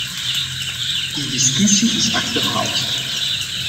Die discussie is achterhaald.